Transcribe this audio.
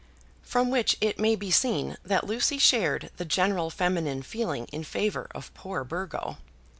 From which it may be seen that Lucy shared the general feminine feeling in favour of poor Burgo.